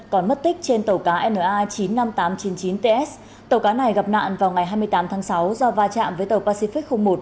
còn mất tích trên tàu cá na chín mươi năm nghìn tám trăm chín mươi chín ts tàu cá này gặp nạn vào ngày hai mươi tám tháng sáu do va chạm với tàu pacific một